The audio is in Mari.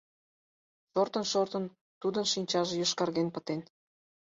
Шортын-шортын, тудын шинчаже йошкарген пытен.